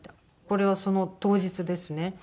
これはその当日ですね。